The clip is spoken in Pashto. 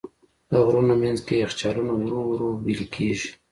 د غرونو منځ کې یخچالونه ورو ورو وېلې کېږي.